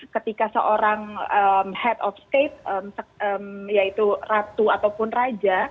ketika seorang head of state yaitu ratu ataupun raja